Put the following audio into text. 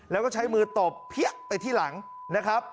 แล้วก็ใช้มือตบเพี้ยไปที่หลังนะครับ